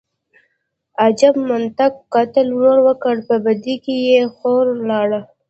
_اجب منطق، قتل ورور وکړ، په بدۍ کې يې خور لاړه.